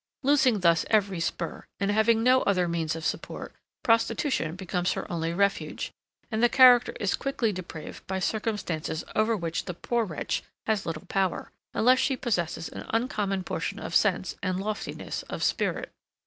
Losing thus every spur, and having no other means of support, prostitution becomes her only refuge, and the character is quickly depraved by circumstances over which the poor wretch has little power, unless she possesses an uncommon portion of sense and loftiness of spirit.